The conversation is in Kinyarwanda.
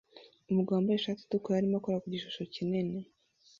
Umugabo wambaye ishati itukura arimo akora ku gishusho kinini